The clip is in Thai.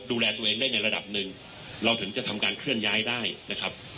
ดูแลตัวเองได้ในระดับหนึ่งเราถึงจะทำการเคลื่อนย้ายได้นะครับ